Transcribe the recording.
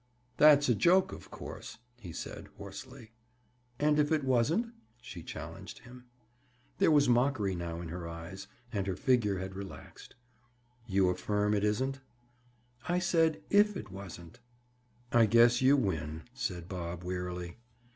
"That's a joke, of course," he said hoarsely. "And if it wasn't?" she challenged him. There was mockery now in her eyes, and her figure had relaxed. "You affirm it isn't?" "I said if it wasn't?" "I guess you win," said Bob wearily.